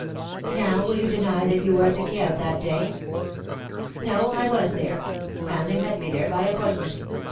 Now^ will you deny that you were at the Kieve that day?^^ *' No. I was there. Hamleigh met me there by appointment.